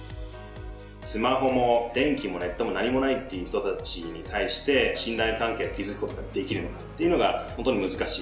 スマホも電気もネットも何もないっていう人たちに対して信頼関係を築く事ができるのかっていうのがホントに難しい。